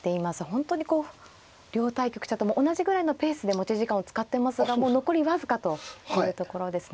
本当にこう両対局者とも同じぐらいのペースで持ち時間を使ってますがもう残り僅かというところですね。